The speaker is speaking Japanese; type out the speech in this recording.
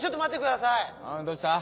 あどうした？